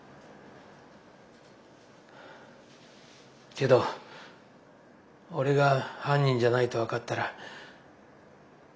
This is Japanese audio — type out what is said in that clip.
けど俺が犯人じゃないと分かったら。